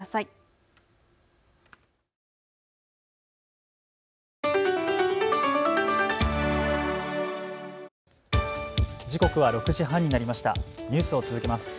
ニュースを続けます。